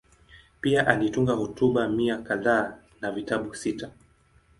Pia alitunga hotuba mia kadhaa na vitabu sita.